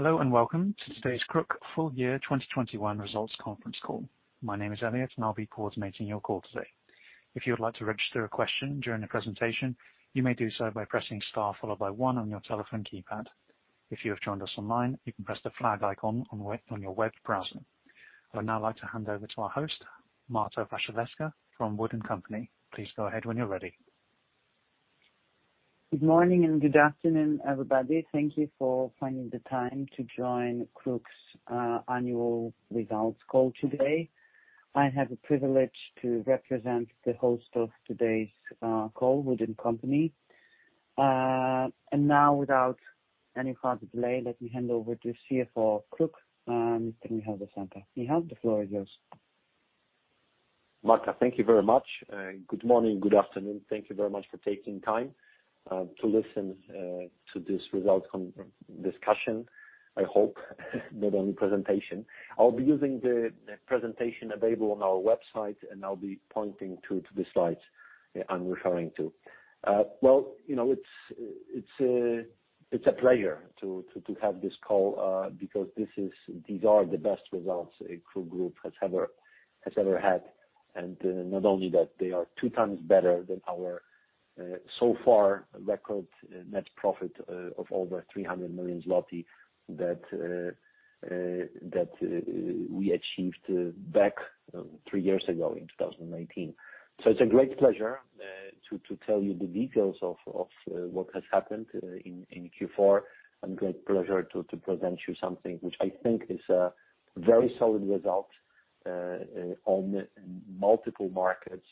Hello, and welcome to today's KRUK full year 2021 results conference call. My name is Elliot, and I'll be coordinating your call today. If you would like to register a question during the presentation, you may do so by pressing Star followed by one on your telephone keypad. If you have joined us online, you can press the flag icon on your web browser. I would now like to hand over to our host, Marta Jeżewska-Wasilewska from Wood & Company. Please go ahead when you're ready. Good morning and good afternoon, everybody. Thank you for finding the time to join KRUK's annual results call today. I have the privilege to represent the host of today's call, Wood & Company. Now, without any further delay, let me hand over to CFO of KRUK, Mr. Michał Zasępa. Michał, the floor is yours. Marta, thank you very much. Good morning, good afternoon. Thank you very much for taking time to listen to this results conference discussion. I hope it's not only a presentation. I'll be using the presentation available on our website, and I'll be pointing to the slides I'm referring to. Well, you know, it's a pleasure to have this call because these are the best results KRUK Group has ever had. Not only that, they are two times better than our so far record net profit of over 300 million zloty that we achieved back three years ago in 2018. It's a great pleasure to tell you the details of what has happened in Q4. Great pleasure to present you something which I think is a very solid result on multiple markets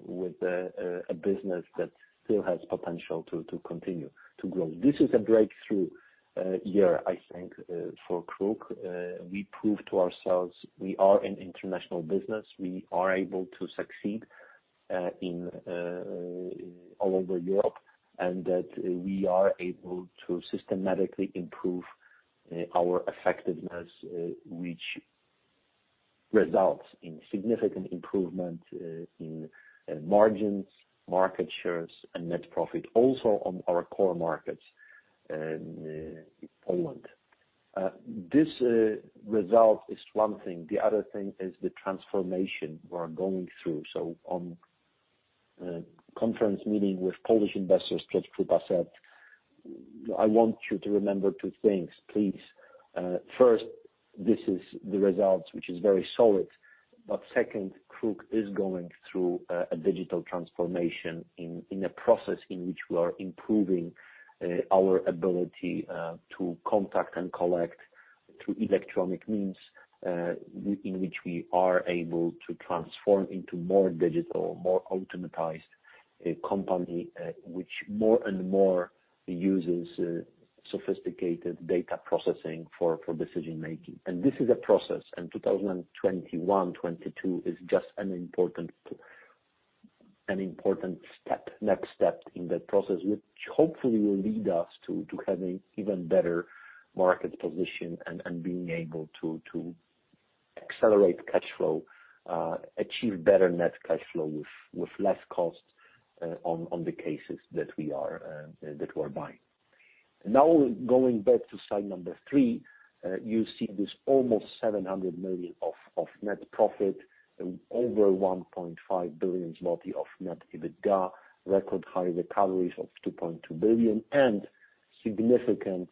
with a business that still has potential to continue to grow. This is a breakthrough year, I think, for KRUK. We proved to ourselves we are an international business. We are able to succeed all over Europe, and that we are able to systematically improve our effectiveness which results in significant improvement in margins, market shares and net profit, also on our core markets in Poland. This result is one thing. The other thing is the transformation we're going through. On conference meeting with Polish investors through KRUK Group, I want you to remember two things, please. First, this is the results, which is very solid. Second, KRUK is going through a digital transformation in a process in which we are improving our ability to contact and collect through electronic means, in which we are able to transform into more digital, more automatized company, which more and more uses sophisticated data processing for decision-making. This is a process, and 2021, 2022 is just an important next step in that process, which hopefully will lead us to have an even better market position and being able to accelerate cash flow, achieve better net cash flow with less cost on the cases that we're buying. Now, going back to slide three, you see this almost 700 million net profit, over 1.5 billion zloty net EBITDA, record high recoveries of 2.2 billion, and significant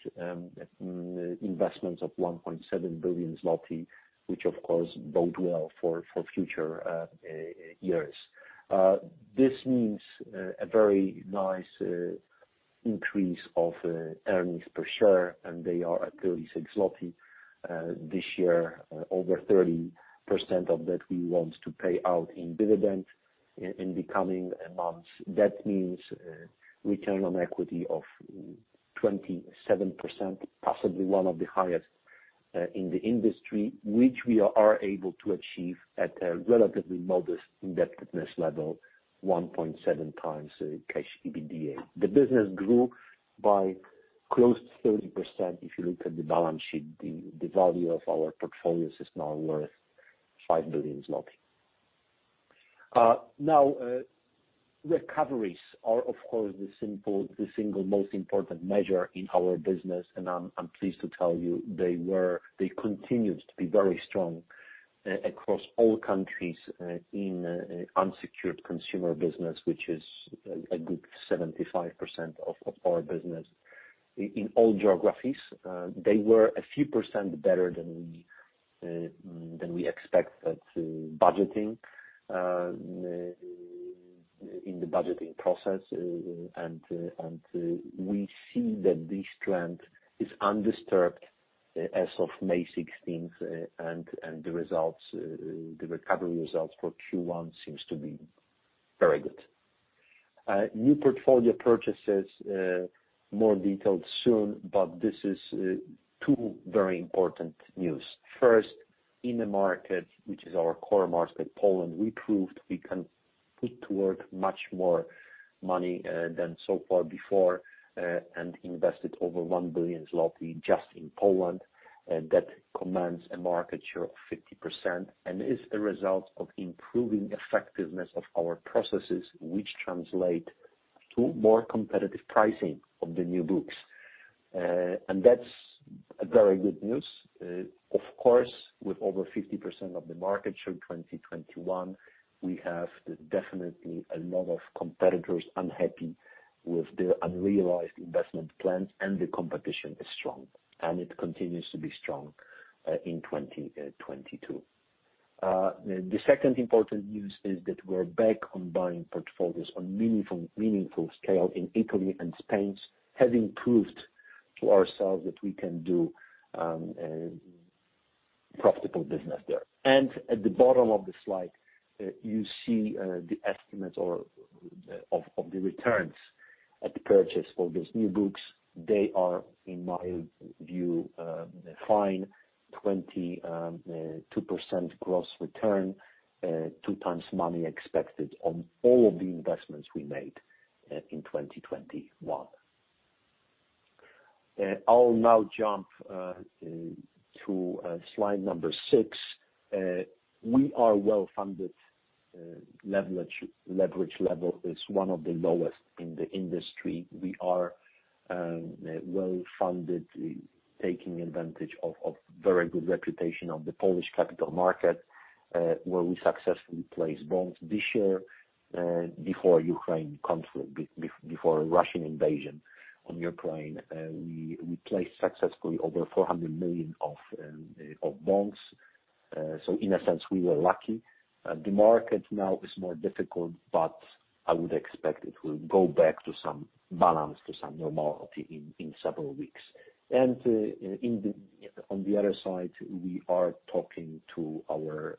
investments of 1.7 billion zloty, which of course bode well for future years. This means a very nice increase of earnings per share, and they are at 36. This year, over 30% of that we want to pay out in dividends in the coming months. That means return on equity of 27%, possibly one of the highest in the industry, which we are able to achieve at a relatively modest indebtedness level, 1.7x cash EBITDA. The business grew by close to 30% if you look at the balance sheet. The value of our portfolios is now worth 5 billion zloty. Recoveries are of course the single most important measure in our business, and I'm pleased to tell you they continue to be very strong across all countries in unsecured consumer business, which is a good 75% of our business. In all geographies, they were a few percent better than we expect at budgeting in the budgeting process, and we see that this trend is undisturbed as of May sixteenth, and the recovery results for Q1 seems to be very good. New portfolio purchases, more detailed soon, but this is two very important news. First, in the market, which is our core market, Poland, we proved we can put to work much more money than so far before, and invested over 1 billion zloty just in Poland. That commands a market share of 50% and is a result of improving effectiveness of our processes, which translate to more competitive pricing of the new books. That's a very good news. Of course, with over 50% of the market share in 2021, we have definitely a lot of competitors unhappy with their unrealized investment plans, and the competition is strong, and it continues to be strong in 2022. The second important news is that we're back on buying portfolios on meaningful scale in Italy and Spain, having proved to ourselves that we can do profitable business there. At the bottom of the slide, you see the estimates of the returns at the purchase for these new books. They are, in my view, fine, 22% gross return, 2x money expected on all of the investments we made in 2021. I'll now jump to slide number six. We are well-funded. Leverage level is one of the lowest in the industry. We are well-funded, taking advantage of very good reputation of the Polish capital market, where we successfully placed bonds this year, before Ukraine conflict, before Russian invasion on Ukraine. We placed successfully over 400 million of bonds. In a sense, we were lucky. The market now is more difficult, but I would expect it will go back to some balance, to some normality in several weeks. On the other side, we are talking to our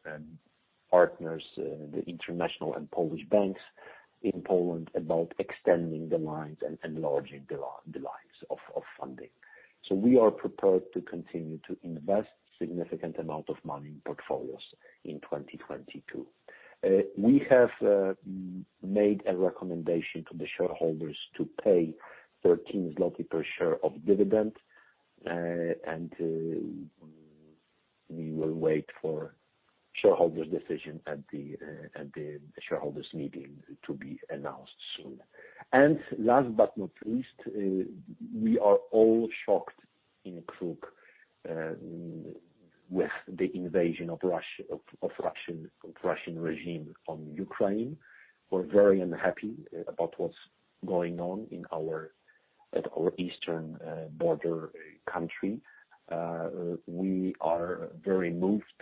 partners, the international and Polish banks in Poland about extending the lines and enlarging the lines of funding. We are prepared to continue to invest significant amount of money in portfolios in 2022. We have made a recommendation to the shareholders to pay 13 zloty per share of dividend, and we will wait for shareholders' decision at the shareholders meeting to be announced soon. Last but not least, we are all shocked in KRUK with the invasion of Russian regime on Ukraine. We're very unhappy about what's going on at our eastern border country. We are very moved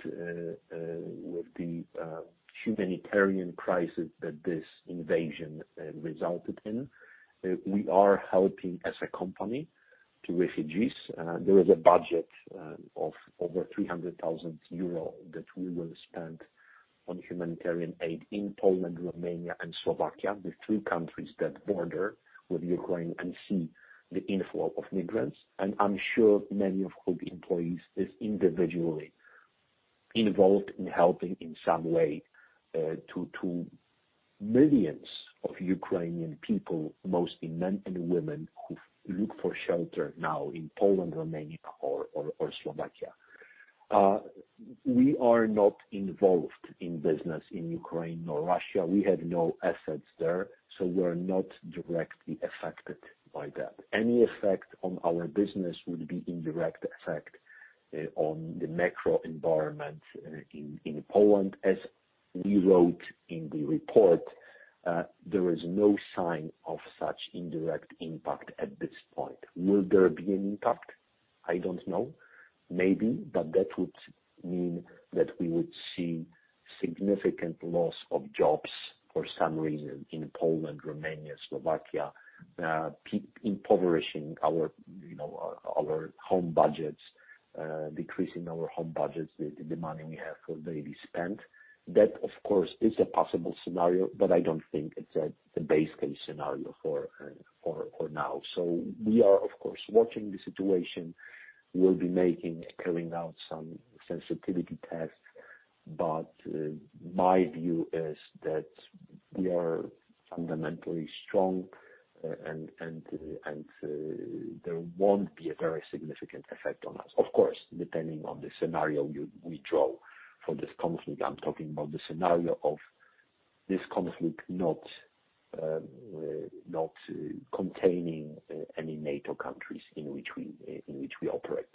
with the humanitarian crisis that this invasion resulted in. We are helping as a company to refugees. There is a budget of over 300,000 euro that we will spend on humanitarian aid in Poland, Romania, and Slovakia, the three countries that border with Ukraine and see the inflow of migrants. I'm sure many of KRUK employees is individually involved in helping in some way to millions of Ukrainian people, mostly men and women, who look for shelter now in Poland, Romania or Slovakia. We are not involved in business in Ukraine nor Russia. We have no assets there, so we're not directly affected by that. Any effect on our business would be indirect effect on the macro environment in Poland. As we wrote in the report, there is no sign of such indirect impact at this point. Will there be an impact? I don't know. Maybe, but that would mean that we would see significant loss of jobs for some reason in Poland, Romania, Slovakia, impoverishing our, you know, home budgets, decreasing our home budgets, the money we have for daily spend. That of course is a possible scenario, but I don't think it's the base case scenario for now. We are of course watching the situation. We'll be carrying out some sensitivity tests. My view is that we are fundamentally strong and there won't be a very significant effect on us. Of course, depending on the scenario we draw for this conflict. I'm talking about the scenario of this conflict not containing any NATO countries in which we operate.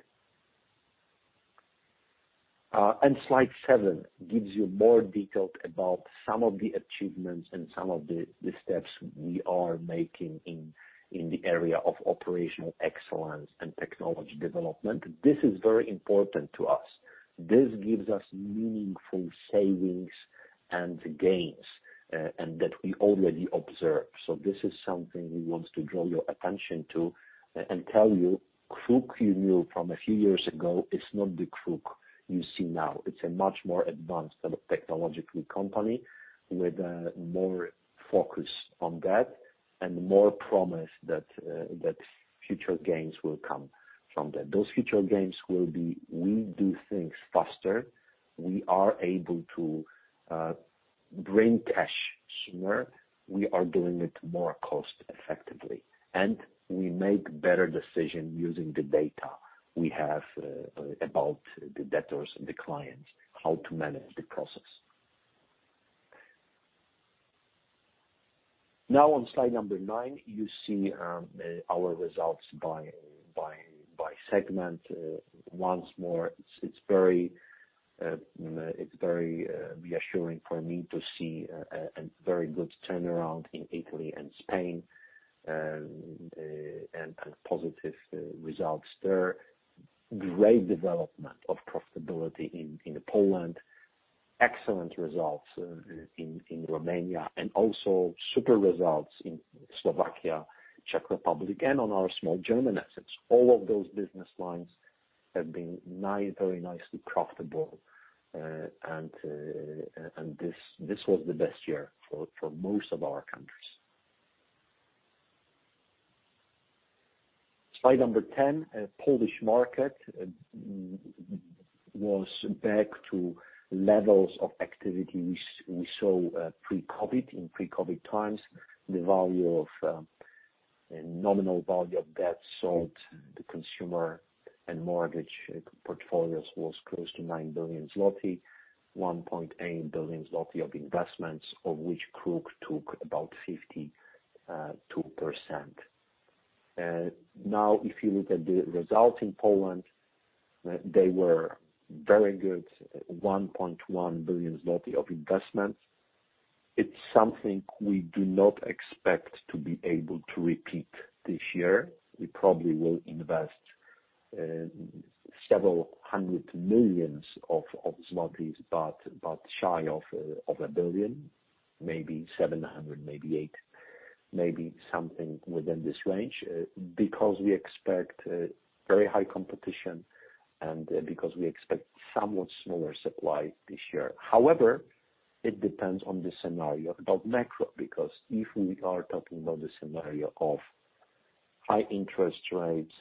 Slide seven gives you more detail about some of the achievements and some of the steps we are making in the area of operational excellence and technology development. This is very important to us. This gives us meaningful savings and gains that we already observe. This is something we want to draw your attention to and tell you, the KRUK you knew from a few years ago is not the KRUK you see now. It's a much more advanced technologically company with more focus on that and more promise that future gains will come from that. Those future gains will be we do things faster, we are able to bring cash sooner, we are doing it more cost effectively, and we make better decision using the data we have about the debtors and the clients, how to manage the process. Now on slide number nine, you see our results by segment. Once more, it's very reassuring for me to see a very good turnaround in Italy and Spain, and positive results there. Great development of profitability in Poland. Excellent results in Romania, and also super results in Slovakia, Czech Republic, and on our small German assets. All of those business lines have been very nicely profitable. And this was the best year for most of our countries. Slide number 10. Polish market was back to levels of activity we saw pre-COVID, in pre-COVID times. The value of nominal value of debt sold to consumer and mortgage portfolios was close to 9 billion zloty. 1.8 billion zloty of investments, of which KRUK took about 52%. Now, if you look at the results in Poland, they were very good. 1.1 billion zloty of investment. It's something we do not expect to be able to repeat this year. We probably will invest several hundred million PLN, but shy of 1 billion. Maybe 700, maybe 800. Maybe something within this range because we expect very high competition, and because we expect somewhat smaller supply this year. However, it depends on the scenario about macro, because if we are talking about the scenario of high interest rates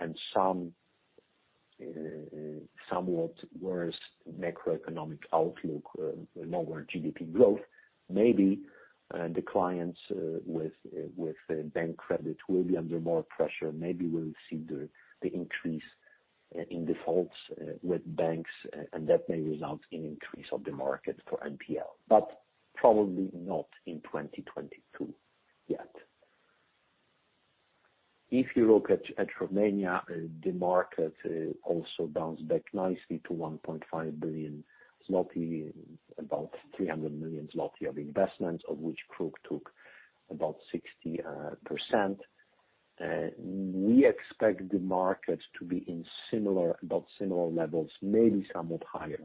and somewhat worse macroeconomic outlook, lower GDP growth, maybe the clients with bank credit will be under more pressure. Maybe we'll see the increase in defaults with banks, and that may result in increase of the market for NPL, but probably not in 2022 yet. If you look at Romania, the market also bounced back nicely to 1.5 billion zloty. About 300 million zloty of investment, of which KRUK took about 60%. We expect the market to be in similar levels, maybe somewhat higher,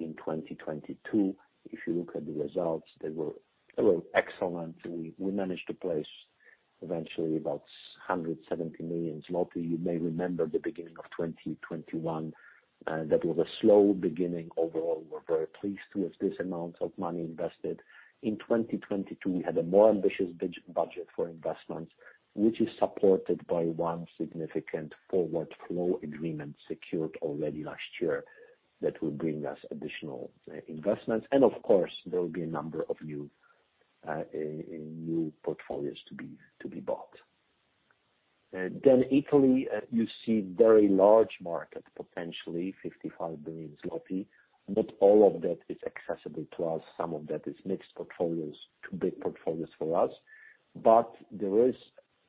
in 2022. If you look at the results, they were excellent. We managed to place eventually about 770 million zloty. You may remember the beginning of 2021, that was a slow beginning overall. We're very pleased with this amount of money invested. In 2022, we had a more ambitious budget for investments, which is supported by one significant forward flow agreement secured already last year that will bring us additional investments. Of course, there will be a number of new portfolios to be bought. Italy, you see, a very large market, potentially 55 billion zloty. Not all of that is accessible to us. Some of that is mixed portfolios, too big portfolios for us. There is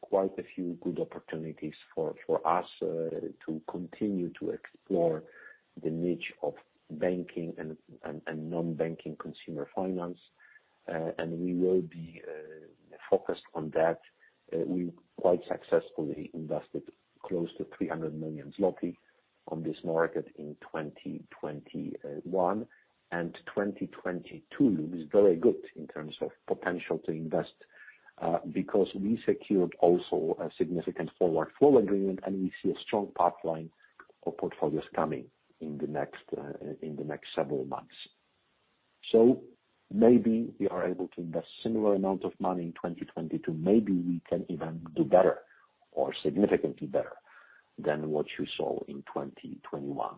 quite a few good opportunities for us to continue to explore the niche of banking and non-banking consumer finance. We will be focused on that. We quite successfully invested close to 300 million zloty on this market in 2021. 2022 looks very good in terms of potential to invest, because we secured also a significant forward flow agreement, and we see a strong pipeline of portfolios coming in the next several months. Maybe we are able to invest similar amount of money in 2022. Maybe we can even do better or significantly better than what you saw in 2021.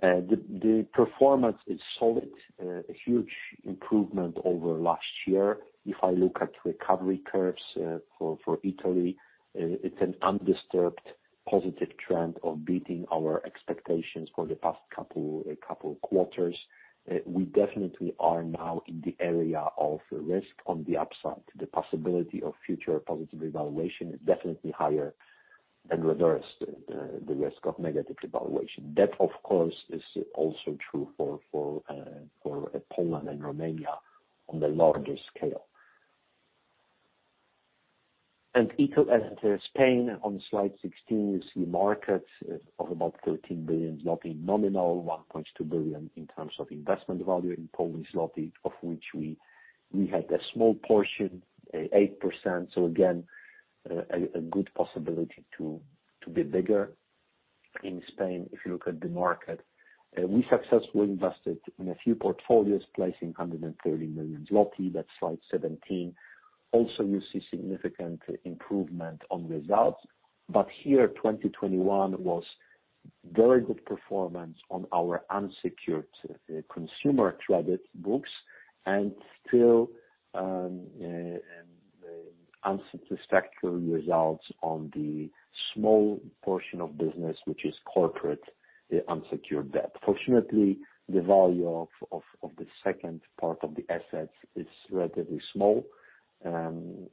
The performance is solid. A huge improvement over last year. If I look at recovery curves for Italy, it's an undisturbed positive trend of beating our expectations for the past couple quarters. We definitely are now in the area of risk on the upside. The possibility of future positive revaluation is definitely higher than the risk of negative devaluation. That, of course, is also true for Poland and Romania on the larger scale, and Spain. On slide 16, you see markets of about 13 billion zloty nominal, 1.2 billion in terms of investment value in Polish zloty, of which we had a small portion, 8%. Again, a good possibility to be bigger in Spain if you look at the market. We successfully invested in a few portfolios, placing 130 million zloty. That's slide 17. Also, you see significant improvement on results. Here, 2021 was very good performance on our unsecured consumer credit books. Still, unsatisfactory results on the small portion of business, which is corporate unsecured debt. Fortunately, the value of the second part of the assets is relatively small, and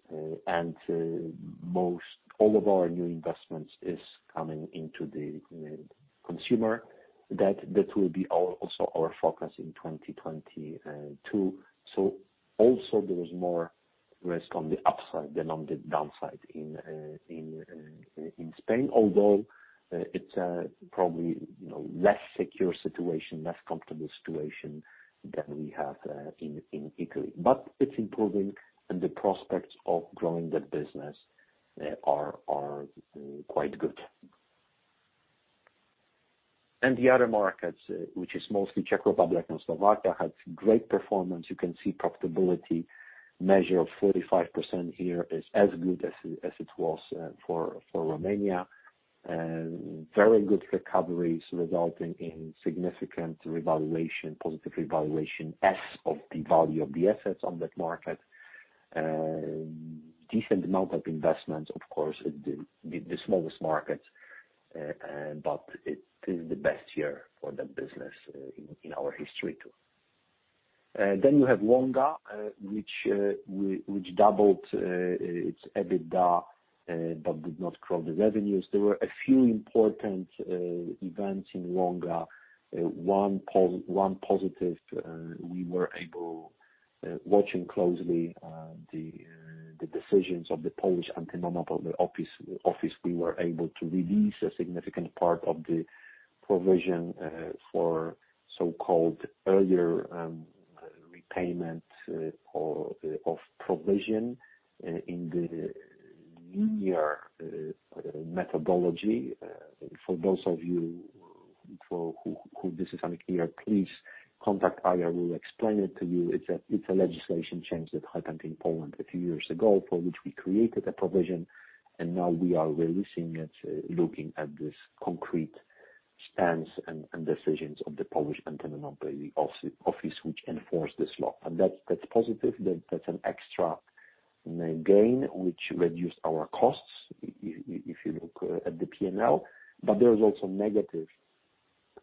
all of our new investments is coming into the consumer. That will be also our focus in 2022. Also there is more risk on the upside than on the downside in Spain, although it's probably, you know, less secure situation, less comfortable situation than we have in Italy. It's improving and the prospects of growing that business are quite good. The other markets, which is mostly Czech Republic and Slovakia, had great performance. You can see profitability measure of 45% here is as good as it was for Romania. Very good recoveries resulting in significant revaluation, positive revaluation as of the value of the assets on that market. Decent amount of investment, of course, the smallest market, but it is the best year for that business in our history too. You have Wonga, which doubled its EBITDA, but did not grow the revenues. There were a few important events in Wonga. One positive, we were watching closely the decisions of the Polish Office of Competition and Consumer Protection, we were able to release a significant part of the provision for so-called early repayment in the new year methodology. For those of you for whom this is unclear, please contact me. I will explain it to you. It's a legislation change that happened in Poland a few years ago, for which we created a provision, and now we are releasing it, looking at this concrete stance and decisions of the Polish Office of Competition and Consumer Protection, which enforce this law. That's positive. That's an extra gain which reduced our costs if you look at the P&L. There is also negative.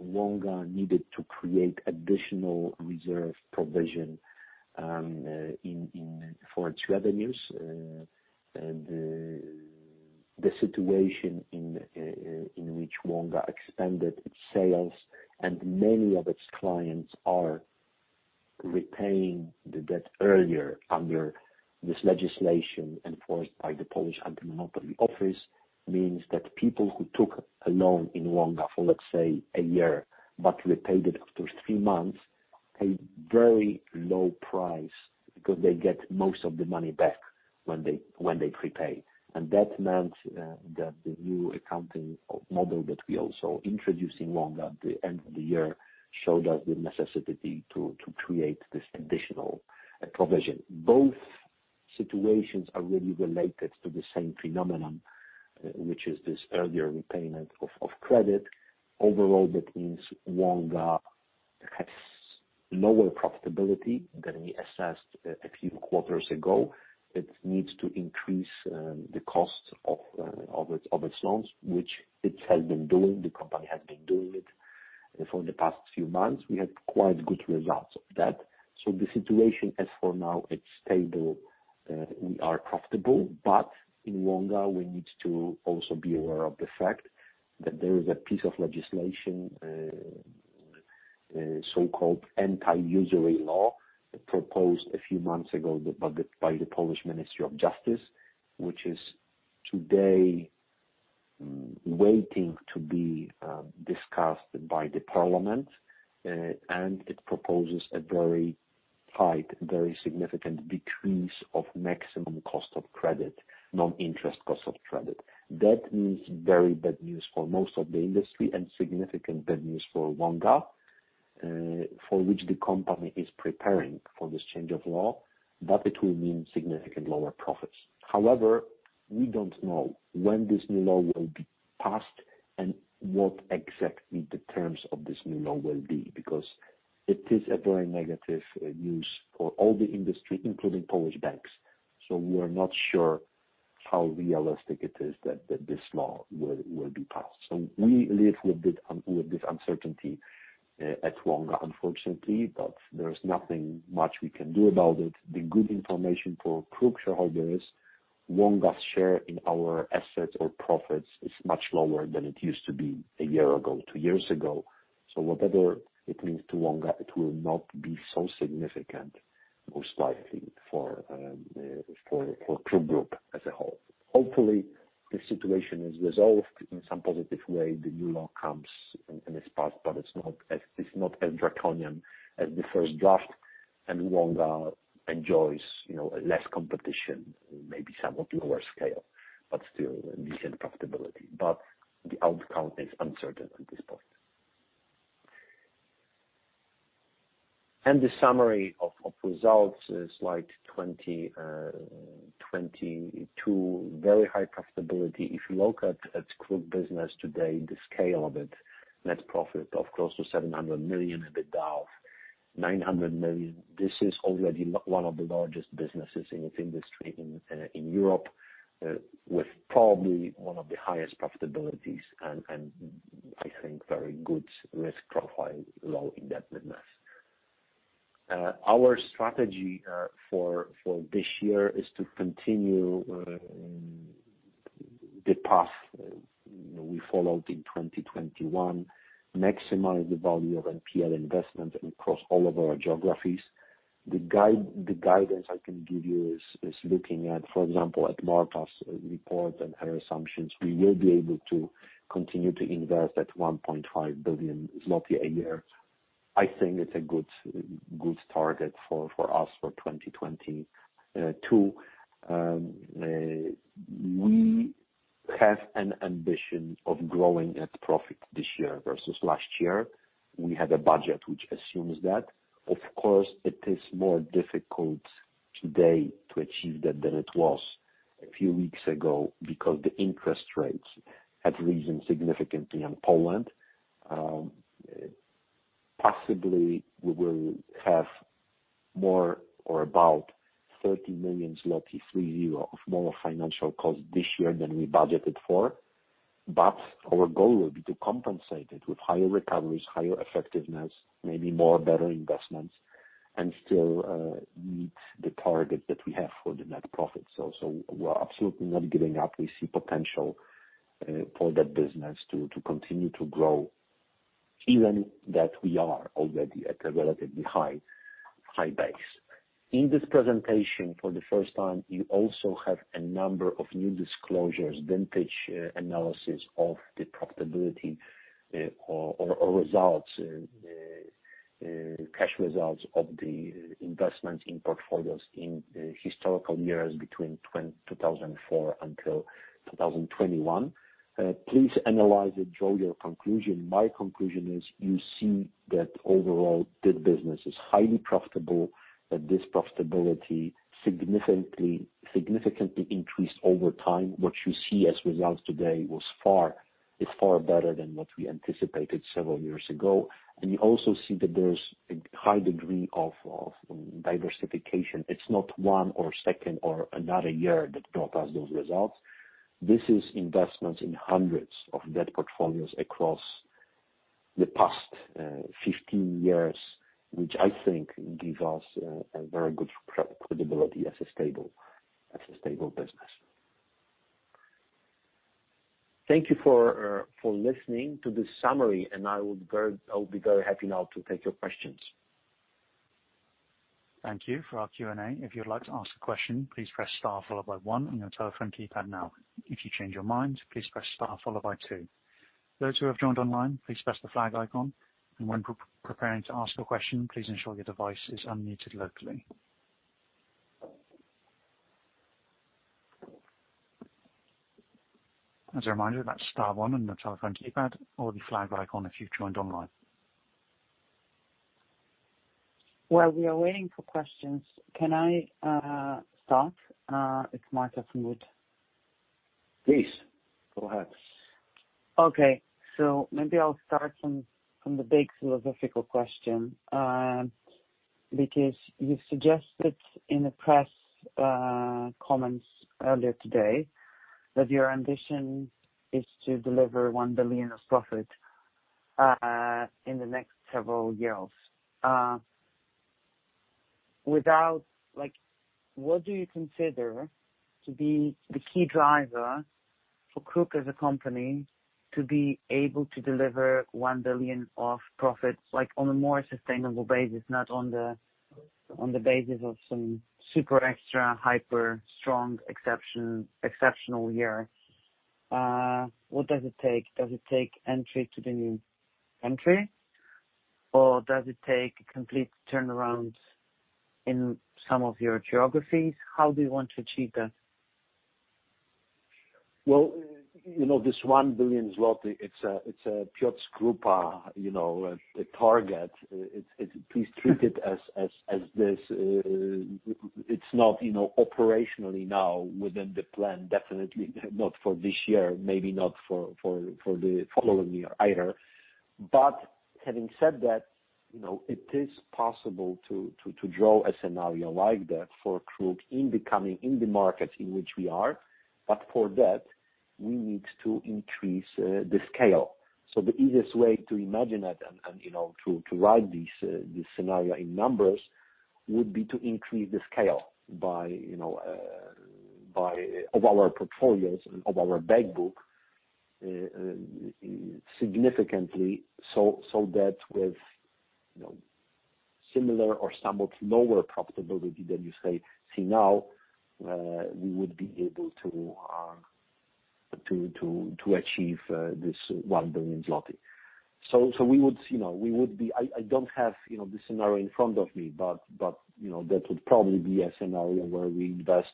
Wonga needed to create additional reserve provision for its revenues. The situation in which Wonga expanded its sales and many of its clients are repaying the debt earlier under this legislation enforced by the Polish Office of Competition and Consumer Protection means that people who took a loan in Wonga for, let's say, a year, but repaid it after three months, pay very low price because they get most of the money back when they prepay. That meant that the new accounting model that we also introduced in Wonga at the end of the year showed us the necessity to create this additional provision. Both situations are really related to the same phenomenon, which is this earlier repayment of credit. Overall, that means Wonga has lower profitability than we assessed a few quarters ago. It needs to increase the cost of its loans, which it has been doing. The company has been doing it for the past few months. We had quite good results of that. The situation, as for now, it's stable. We are profitable, but in Wonga, we need to also be aware of the fact that there is a piece of legislation, so-called anti-usury law proposed a few months ago by the Polish Ministry of Justice, which is today waiting to be discussed by the parliament. It proposes a very tight, very significant decrease of maximum cost of credit, non-interest cost of credit. That means very bad news for most of the industry and significant bad news for Wonga, for which the company is preparing for this change of law, but it will mean significant lower profits. However, we don't know when this new law will be passed and what exactly the terms of this new law will be, because it is a very negative news for all the industry, including Polish banks. We are not sure how realistic it is that this law will be passed. We live with this uncertainty at Wonga, unfortunately, but there's nothing much we can do about it. The good information for KRUK shareholders, Wonga's share in our assets or profits is much lower than it used to be a year ago, two years ago. Whatever it means to Wonga, it will not be so significant, most likely, for KRUK Group as a whole. Hopefully, the situation is resolved in some positive way. The new law comes and is passed, but it's not as draconian as the first draft, and Wonga enjoys, you know, less competition, maybe somewhat lower scale, but still decent profitability. The outcome is uncertain at this point. The summary of results is like 2022, very high profitability. If you look at KRUK business today, the scale of it, net profit of close to 700 million, EBITDA of 900 million. This is already one of the largest businesses in its industry in Europe, with probably one of the highest profitabilities and I think very good risk profile, low indebtedness. Our strategy for this year is to continue the path, you know, we followed in 2021, maximize the value of NPL investment across all of our geographies. The guidance I can give you is, looking at, for example, at Marta's report and her assumptions, we will be able to continue to invest at 1.5 billion zloty a year. I think it's a good target for us for 2022. We have an ambition of growing net profit this year versus last year. We have a budget which assumes that. Of course, it is more difficult today to achieve that than it was a few weeks ago because the interest rates have risen significantly in Poland. Possibly we will have more, or about 30 million zloty of more financial costs this year than we budgeted for. Our goal will be to compensate it with higher recoveries, higher effectiveness, maybe more better investments, and still meet the target that we have for the net profit. We're absolutely not giving up. We see potential for that business to continue to grow even that we are already at a relatively high base. In this presentation, for the first time, you also have a number of new disclosures in pitch analysis of the profitability or cash results of the investment in portfolios in historical years between 2004 until 2021. Please analyze it, draw your conclusion. My conclusion is you see that overall that business is highly profitable, that this profitability significantly increased over time. What you see as results today is far better than what we anticipated several years ago. You also see that there's a high degree of diversification. It's not one or two or another year that brought us those results. This is investments in hundreds of debt portfolios across the past 15 years, which I think give us a very good credibility as a stable business. Thank you for listening to this summary, and I would be very happy now to take your questions. Thank you. For our Q&A, if you'd like to ask a question, please press star followed by one on your telephone keypad now. If you change your mind, please press star followed by two. Those who have joined online, please press the flag icon, and when preparing to ask a question, please ensure your device is unmuted locally. As a reminder, that's star one on your telephone keypad or the flag icon if you've joined online. While we are waiting for questions, can I start? Its Marta from Wood. Please, go ahead. Maybe I'll start from the big philosophical question, because you suggested in the press comments earlier today that your ambition is to deliver 1 billion of profit in the next several years. Without like, what do you consider to be the key driver for KRUK as a company to be able to deliver 1 billion of profits, like, on a more sustainable basis, not on the basis of some super extra hyper strong exceptional year? What does it take? Does it take entry to the new entry, or does it take a complete turnaround in some of your geographies? How do you want to achieve that? Well, you know, this 1 billion zloty, it's a Piotr Krupa, you know, a target. Please treat it as this. It's not, you know, operationally now within the plan, definitely not for this year, maybe not for the following year either. But having said that, you know, it is possible to draw a scenario like that for KRUK in the coming markets in which we are. But for that, we need to increase the scale. The easiest way to imagine it, you know, to write this scenario in numbers, would be to increase the scale of our portfolios, our bank book significantly, so that with, you know, similar or somewhat lower profitability than you see now, we would be able to achieve this 1 billion zloty. We would, you know, I don't have the scenario in front of me, but you know that would probably be a scenario where we invest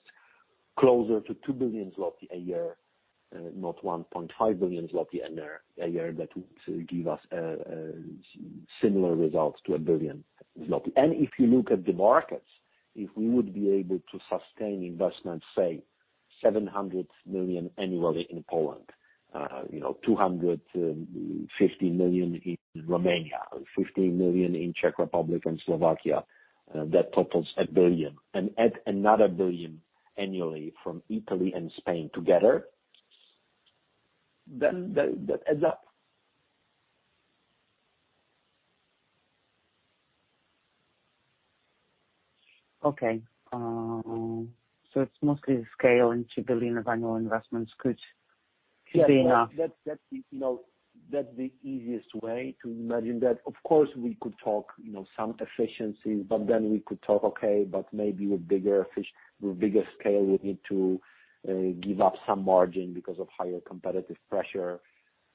closer to 2 billion zloty a year, not 1.5 billion zloty a year. That would give us similar results to 1 billion zloty. If you look at the markets, if we would be able to sustain investment, say, 700 million annually in Poland. You know, 250 million in Romania. 15 million in Czech Republic and Slovakia. That totals 1 billion. Add another 1 billion annually from Italy and Spain together, then that adds up. Okay. It's mostly the scale and 2 billion of annual investments could be enough. Yeah. That's you know the easiest way to imagine that. Of course, we could talk you know some efficiencies, but then we could talk okay but maybe with bigger scale we need to give up some margin because of higher competitive pressure.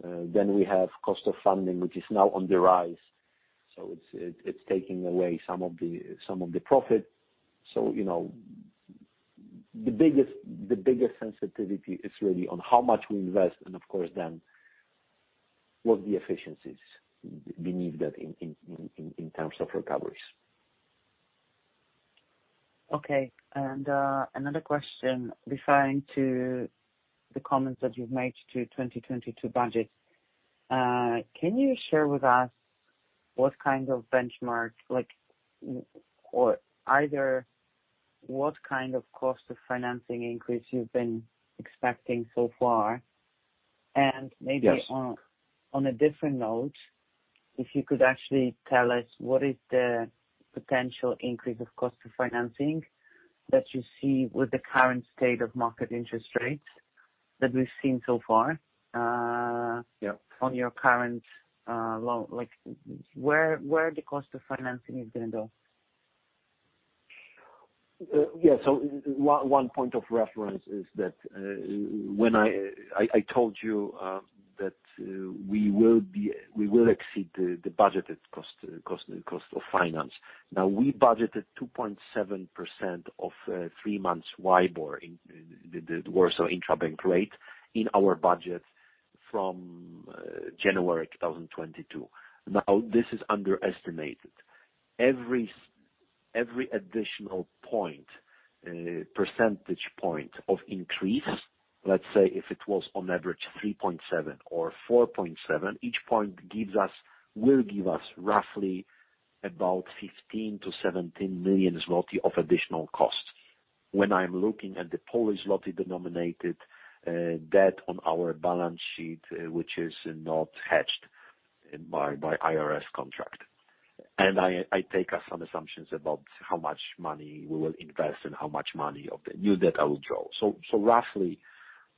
We have cost of funding which is now on the rise. It's taking away some of the profit. You know the biggest sensitivity is really on how much we invest, and of course then what the efficiencies beneath that in terms of recoveries. Okay. Another question referring to the comments that you've made to 2022 budget. Can you share with us what kind of benchmark or either what kind of cost of financing increase you've been expecting so far? And maybe Yes. On a different note, if you could actually tell us what is the potential increase of cost of financing that you see with the current state of market interest rates that we've seen so far? Yeah. on your current, like, where the cost of financing is gonna go? One point of reference is that when I told you that we will exceed the budgeted cost of finance. Now, we budgeted 2.7% of three months WIBOR, the Warsaw Interbank rate, in our budget from January 2022. Now, this is underestimated. Every additional percentage point of increase, let's say if it was on average 3.7 or 4.7. Each point will give us roughly about 15 million-17 million zloty of additional costs. When I'm looking at the Polish zloty-denominated debt on our balance sheet, which is not hedged by IRS contract. I take some assumptions about how much money we will invest and how much money of the new debt I will draw. Roughly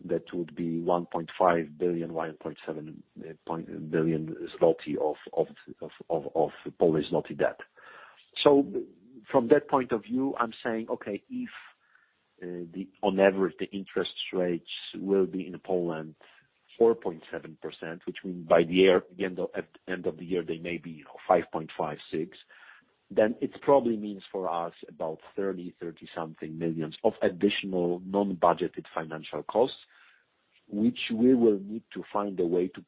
that would be 1.5 billion-1.7 billion zloty of Polish zloty debt. From that point of view, I'm saying, okay, if on average, the interest rates will be in Poland 4.7%, which means by the end of the year, they may be 5.5%-6%. Then it probably means for us about 30-something million of additional non-budgeted financial costs, which we will need to find a way to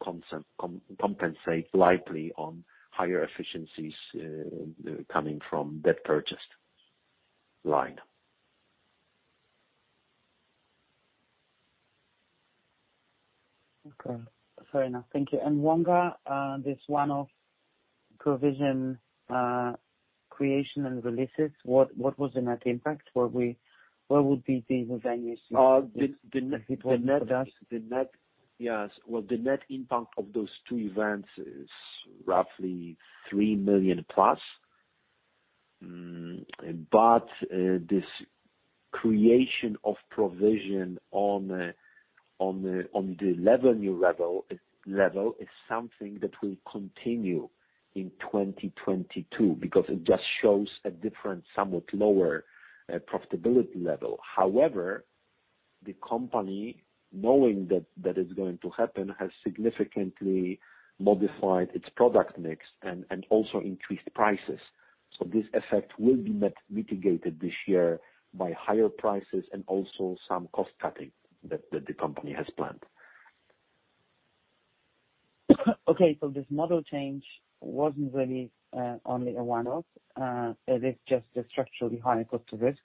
compensate likely on higher efficiencies coming from debt purchased line. Okay. Fair enough. Thank you. Wonga, this one-off provision, creation and releases, what was the net impact? Where would be the venues- The net- If it was with us? The net impact of those two events is roughly 3 million+. Well, this creation of provision on the revenue level is something that will continue in 2022 because it just shows a different, somewhat lower, profitability level. However, the company, knowing that that is going to happen, has significantly modified its product mix and also increased prices. This effect will be mitigated this year by higher prices and also some cost-cutting that the company has planned. This model change wasn't really only a one-off. It is just a structurally higher cost to risk.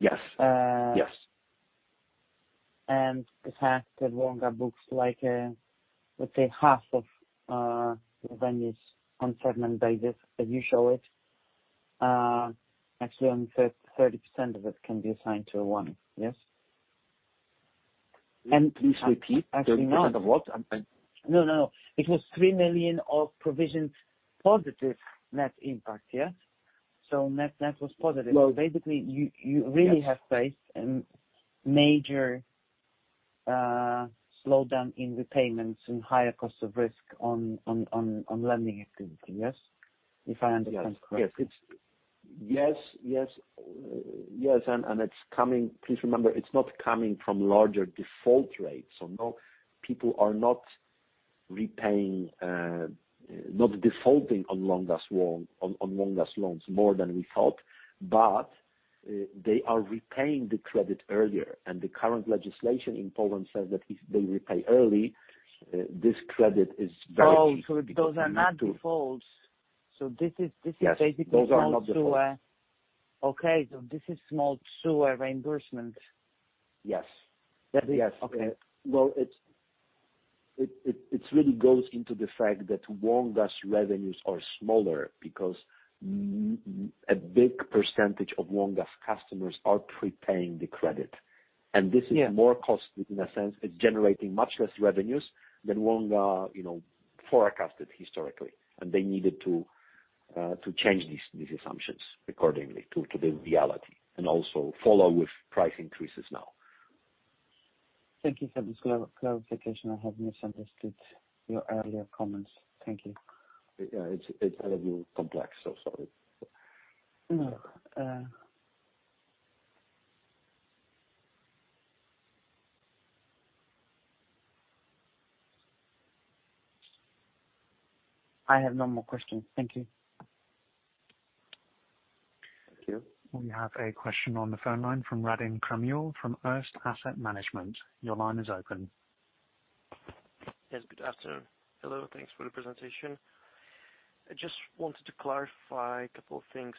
Yes. Uh- Yes. The fact that Wonga books like, let's say half of the revenues on segment basis, as you show it, actually only 30% of it can be assigned to one. Yes? Can you please repeat? 30% of what? I'm No. It was 3 million of provision positive net impact, yes? Net was positive. Well- Basically, you really. Yes. Have faced a major slowdown in repayments and higher cost of risk on lending activity, yes? If I understand correctly. Yes, it's not coming from larger default rates. Please remember, it's not coming from larger default rates. No, people are repaying, not defaulting on Wonga's loans more than we thought. They are repaying the credit earlier. The current legislation in Poland says that if they repay early, this credit is very cheap. Oh, those are not defaults. So this is, this is basically- Yes. Those are not the full. Okay. This is small consumer reimbursement? Yes. Yes. Okay. Well, it's really goes into the fact that Wonga's revenues are smaller because a big percentage of Wonga's customers are prepaying the credit. Yeah. This is more costly in a sense. It's generating much less revenues than Wonga, you know, forecasted historically, and they needed to change these assumptions accordingly to the reality and also follow with price increases now. Thank you for this clarification. I have misunderstood your earlier comments. Thank you. Yeah. It's a little complex, so sorry. No. I have no more questions. Thank you. Thank you. We have a question on the phone line from Radim Kramule from Erste Asset Management. Your line is open. Yes, good afternoon. Hello. Thanks for the presentation. I just wanted to clarify a couple of things.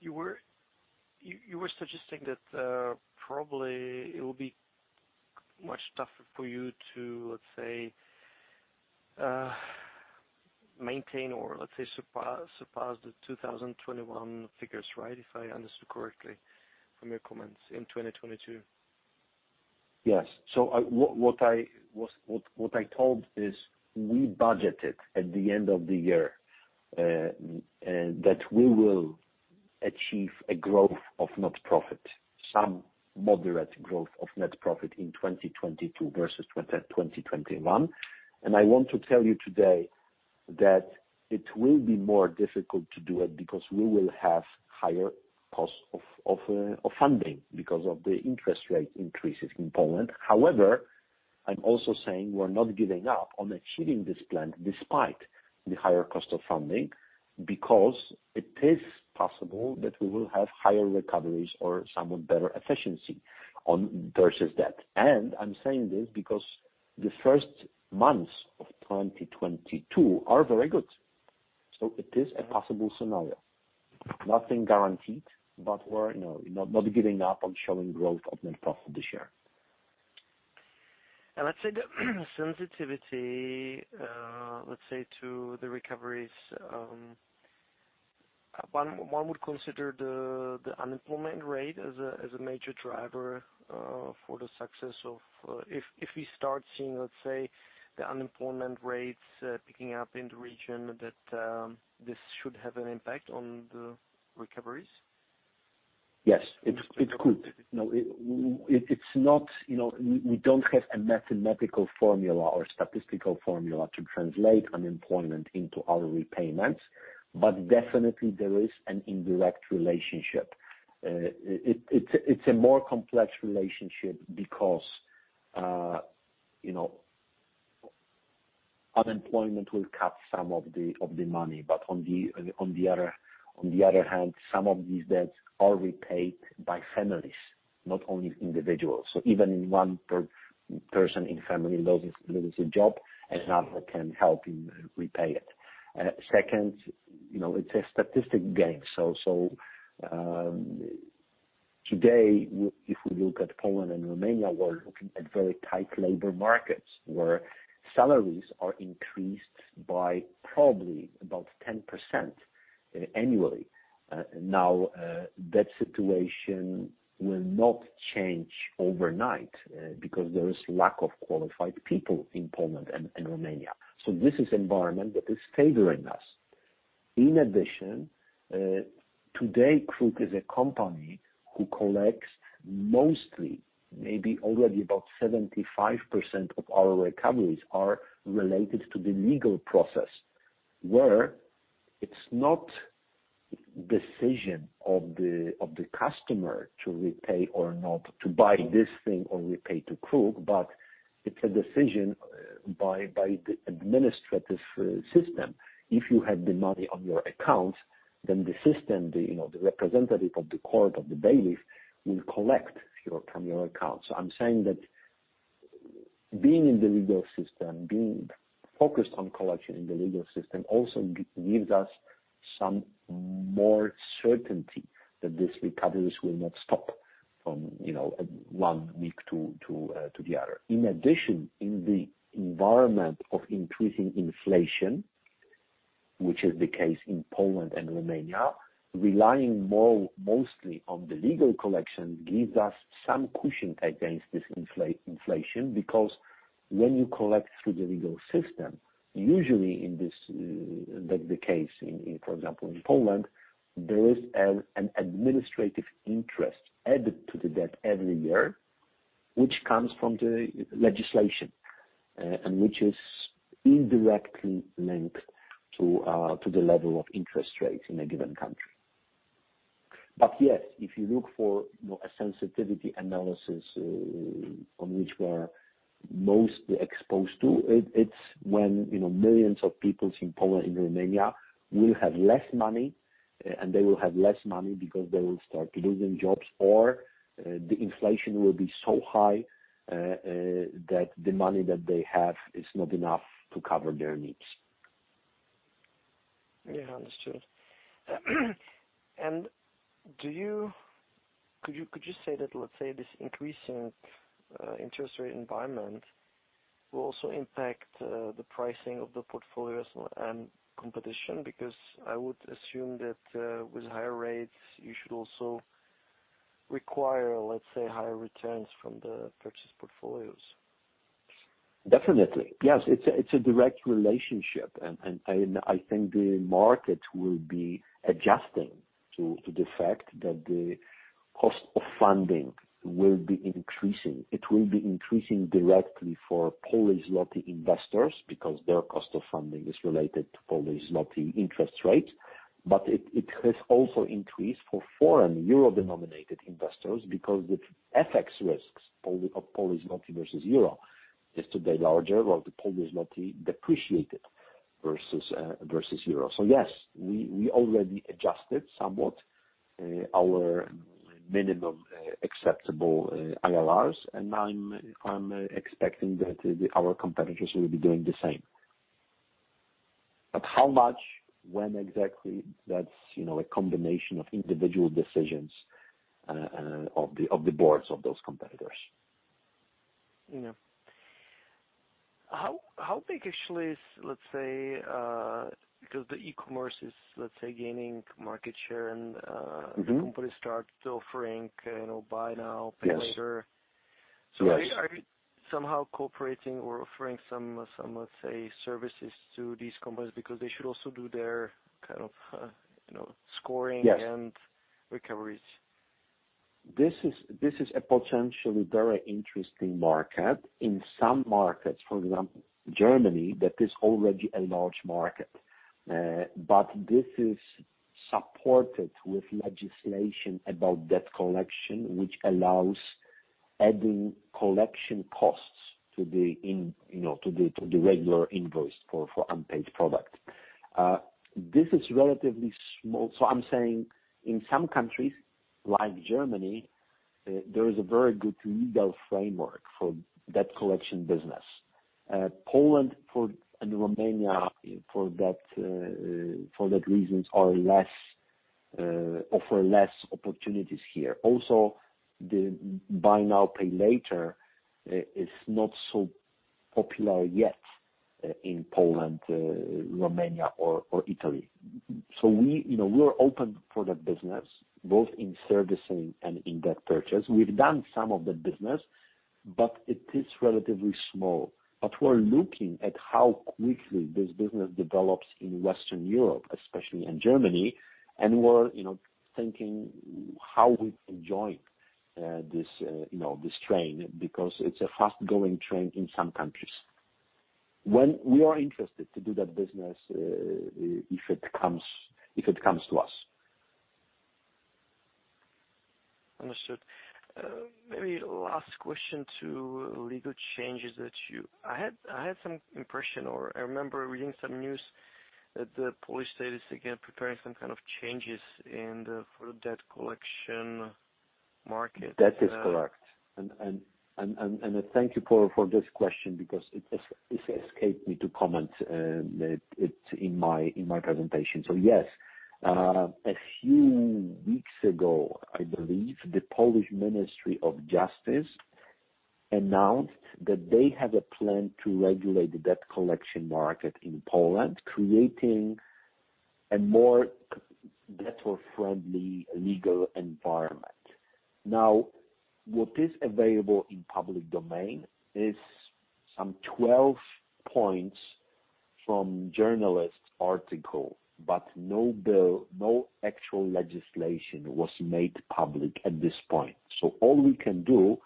You were suggesting that probably it will be much tougher for you to, let's say, maintain or let's say surpass the 2021 figures, right? If I understood correctly from your comments in 2022. Yes. What I told is we budgeted at the end of the year that we will achieve a growth of net profit, some moderate growth of net profit in 2022 versus 2021. I want to tell you today that it will be more difficult to do it because we will have higher costs of funding because of the interest rate increases in Poland. However, I'm also saying we're not giving up on achieving this plan despite the higher cost of funding, because it is possible that we will have higher recoveries or somewhat better efficiency on versus debt. I'm saying this because the first months of 2022 are very good. It is a possible scenario. Nothing guaranteed, but we're, you know, not giving up on showing growth of net profit this year. Let's say the sensitivity, let's say to the recoveries. One would consider the unemployment rate as a major driver for the success of if we start seeing, let's say, the unemployment rates picking up in the region. That this should have an impact on the recoveries. Yes. It's not, you know, we don't have a mathematical formula or statistical formula to translate unemployment into our repayments, but definitely there is an indirect relationship. It's a more complex relationship because, you know, unemployment will cut some of the money. On the other hand, some of these debts are repaid by families, not only individuals. Even if one person in a family loses a job, another can help him repay it. Second, you know, it's a statistical game. Today, if we look at Poland and Romania, we're looking at very tight labor markets where salaries are increased by probably about 10% annually. Now, that situation will not change overnight, because there is lack of qualified people in Poland and Romania. This is environment that is favoring us. In addition, today, KRUK is a company who collects mostly, maybe already about 75% of our recoveries are related to the legal process, where it's not decision of the customer to repay or not to buy this thing or repay to KRUK, but it's a decision by the administrative system. If you have the money on your accounts, then the system, you know, the representative of the court or the bailiff will collect from your account. I'm saying that being in the legal system, being focused on collection in the legal system, also gives us some more certainty that these recoveries will not stop from, you know, one week to the other. In addition, in the environment of increasing inflation, which is the case in Poland and Romania, relying mostly on the legal collection gives us some cushion against this inflation because when you collect through the legal system, usually, in this case, in Poland, there is an administrative interest added to the debt every year, which comes from the legislation, and which is indirectly linked to the level of interest rates in a given country. Yes, if you look for, you know, a sensitivity analysis on which we're mostly exposed to, it's when, you know, millions of people in Poland and Romania will have less money. They will have less money because they will start losing jobs or the inflation will be so high that the money that they have is not enough to cover their needs. Yeah. Understood. Could you say that, let's say, this increasing interest rate environment will also impact the pricing of the portfolios and competition? Because I would assume that with higher rates you should also require, let's say, higher returns from the purchase portfolios. Definitely. Yes. It's a direct relationship. I think the market will be adjusting to the fact that the cost of funding will be increasing. It will be increasing directly for Polish złoty investors because their cost of funding is related to Polish złoty interest rates. It has also increased for foreign euro-denominated investors because the FX risks of Polish złoty versus euro is today larger, while the Polish złoty depreciated versus euro. Yes, we already adjusted somewhat our minimum acceptable IRRs, and I'm expecting that our competitors will be doing the same. How much, when exactly, that's you know a combination of individual decisions of the boards of those competitors. Yeah. How big actually is, let's say, because the e-commerce is, let's say, gaining market share and- Mm-hmm. The company start offering, you know, Buy Now, Pay Later. Yes. Yes. Are you somehow cooperating or offering some, let's say, services to these companies? Because they should also do their kind of, you know, scoring- Yes. recoveries. This is a potentially very interesting market. In some markets, for example, Germany, that is already a large market. But this is supported with legislation about debt collection, which allows adding collection costs to, you know, the regular invoice for unpaid product. This is relatively small. I'm saying in some countries, like Germany, there is a very good legal framework for debt collection business. Poland and Romania for those reasons offer less opportunities here. Also, the Buy Now, Pay Later is not so popular yet in Poland, Romania or Italy. We, you know, we're open for that business, both in servicing and in debt purchase. We've done some of that business, but it is relatively small. We're looking at how quickly this business develops in Western Europe, especially in Germany, and we're, you know, thinking how we can join this, you know, this train because it's a fast-growing train in some countries. When we are interested to do that business, if it comes to us. Understood. Maybe last question to legal changes. I had some impression or I remember reading some news that the Polish state is again preparing some kind of changes for the debt collection market. That is correct. Thank you for this question because it escaped me to comment it in my presentation. Yes, a few weeks ago, I believe, the Polish Ministry of Justice announced that they have a plan to regulate the debt collection market in Poland, creating a more debtor-friendly legal environment. Now, what is available in public domain is some 12 points from journalistic article, but no bill, no actual legislation was made public at this point. All we can do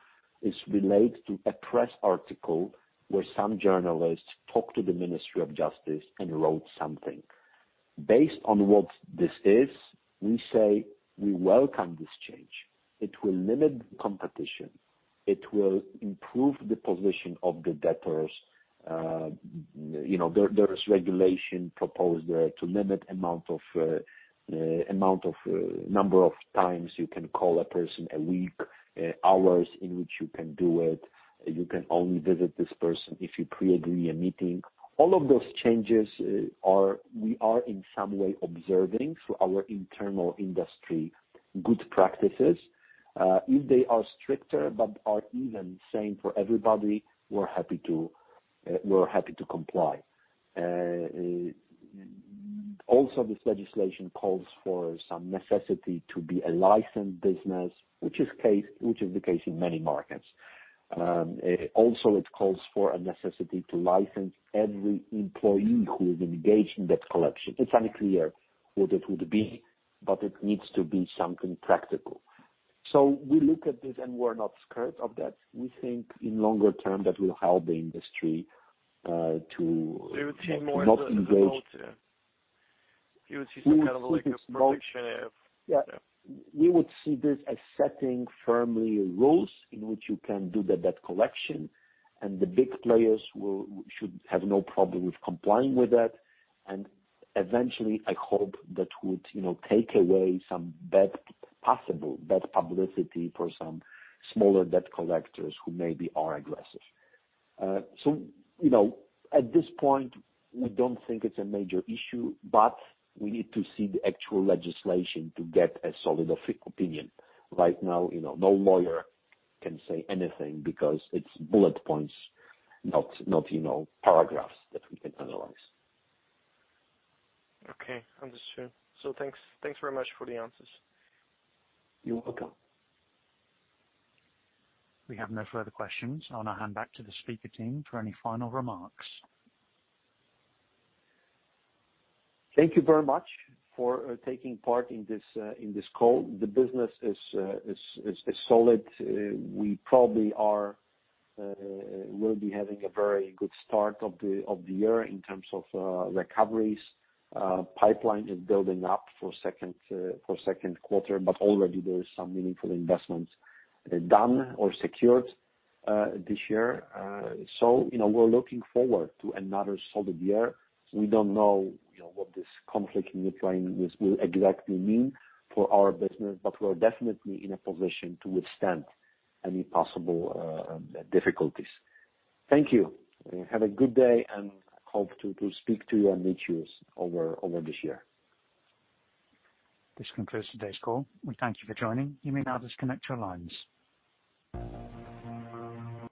is relate to a press article where some journalists talked to the Ministry of Justice and wrote something. Based on what this is, we say we welcome this change. It will limit competition. It will improve the position of the debtors. You know, there is regulation proposed there to limit amount of number of times you can call a person a week, hours in which you can do it. You can only visit this person if you pre-agree a meeting. All of those changes are. We are in some way observing through our internal industry good practices. If they are stricter but are even same for everybody, we're happy to comply. Also, this legislation calls for some necessity to be a licensed business, which is the case in many markets. Also it calls for a necessity to license every employee who is engaged in debt collection. It's unclear what it would be, but it needs to be something practical. We look at this, and we're not scared of that. We think in longer term that will help the industry. You would see more as a- -not engage- A positive. You would see some kind of like a perfection of- Yeah. We would see this as setting firmly rules in which you can do the debt collection, and the big players should have no problem with complying with that. Eventually, I hope that would, you know, take away some bad, possible bad publicity for some smaller debt collectors who maybe are aggressive. You know, at this point, we don't think it's a major issue, but we need to see the actual legislation to get a solid opinion. Right now, you know, no lawyer can say anything because it's bullet points, not, you know, paragraphs that we can analyze. Okay. Understood. Thanks, thanks very much for the answers. You're welcome. We have no further questions. I'll now hand back to the speaker team for any final remarks. Thank you very much for taking part in this call. The business is solid. We probably will be having a very good start of the year in terms of recoveries. Pipeline is building up for second quarter, but already there is some meaningful investments done or secured this year. You know, we're looking forward to another solid year. We don't know, you know, what this conflict in Ukraine will exactly mean for our business, but we're definitely in a position to withstand any possible difficulties. Thank you. Have a good day and hope to speak to you and meet you over this year. This concludes today's call. We thank you for joining. You may now disconnect your lines.